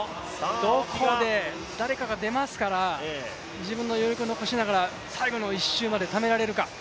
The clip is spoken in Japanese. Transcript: どこかで誰かが出ますから、自分の余力を残しながら最後の１周までためられるか。